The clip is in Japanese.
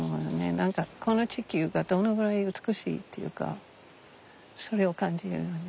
何かこの地球がどのぐらい美しいというかそれを感じるよね。